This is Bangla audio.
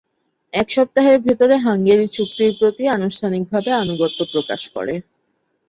এক সপ্তাহের ভেতরে হাঙ্গেরি চুক্তির প্রতি আনুষ্ঠানিকভাবে আনুগত্য প্রকাশ করে।